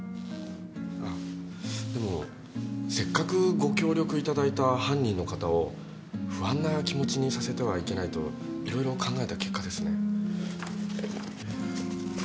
でも折角ご協力頂いた犯人の方を不安な気持ちにさせてはいけないといろいろ考えた結果ですね。